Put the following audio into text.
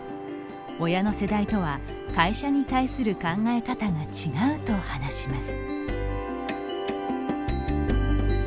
親の世代とは、会社に対する考え方が違うと話します。